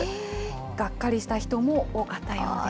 がっかりした人も多かったようです。